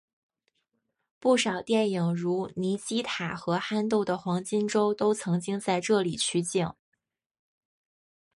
不少电影如尼基塔和憨豆的黄金周都曾经在这里取景。